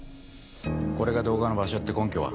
これが動画の場所って根拠は？